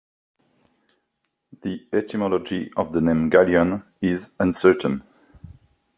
The etymology of the name Galion is uncertain.